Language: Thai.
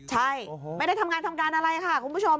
ใช่ไม่ได้ทำงานทำการอะไรค่ะคุณผู้ชม